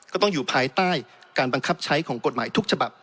ก็ต้องอยู่ภายใต้การบังคับใช้ของกฎหมายทุกฉบับ